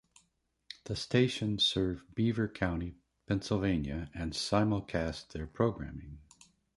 The stations serve Beaver County, Pennsylvania and simulcast their programming.